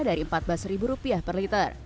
dari rp empat belas per liter